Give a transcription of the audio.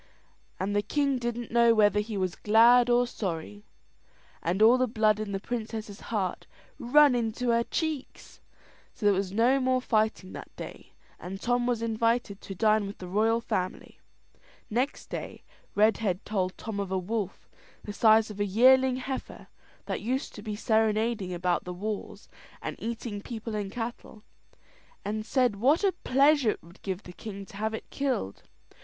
And the king didn't know whether he was glad or sorry, and all the blood in the princess's heart run into her cheeks. So there was no more fighting that day, and Tom was invited to dine with the royal family. Next day, Redhead told Tom of a wolf, the size of a yearling heifer, that used to be serenading about the walls, and eating people and cattle; and said what a pleasure it would give the king to have it killed.